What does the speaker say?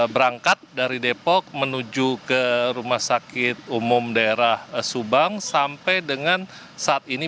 berangkat dari depok menuju ke rumah sakit umum daerah subang sampai dengan saat ini